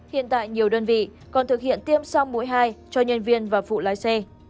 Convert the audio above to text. hiện tại nhiều đơn vị còn thực hiện tiêm song mũi hai cho nhân viên và phụ lái xe